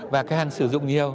và càng sử dụng nhiều